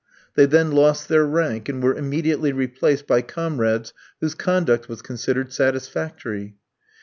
They then lost their rank, and were immediately replaced by comrades whose conduct was considered satisfactory.